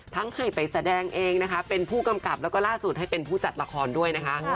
ให้ไปแสดงเองนะคะเป็นผู้กำกับแล้วก็ล่าสุดให้เป็นผู้จัดละครด้วยนะคะ